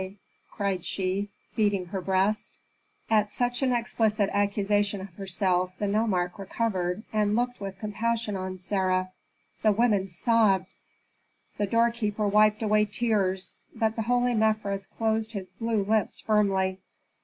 cried she, beating her breast. At such an explicit accusation of herself the nomarch recovered, and looked with compassion on Sarah; the women sobbed, the doorkeeper wiped away tears. But the holy Mefres closed his blue lips firmly.